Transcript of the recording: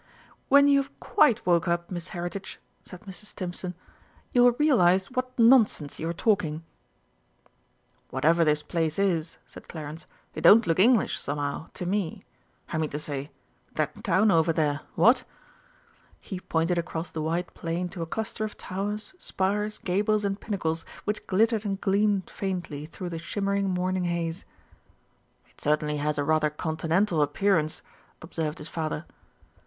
"When you have quite woke up, Miss Heritage," said Mrs. Stimpson, "you will realise what nonsense you are talking." "Whatever this place is," said Clarence, "it don't look English, somehow, to me. I mean to say that town over there what?" He pointed across the wide plain to a cluster of towers, spires, gables, and pinnacles which glittered and gleamed faintly through the shimmering morning haze. "It certainly has rather a Continental appearance," observed his father.